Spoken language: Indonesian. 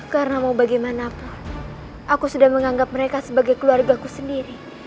karena mau bagaimanapun aku sudah menganggap mereka sebagai keluarga ku sendiri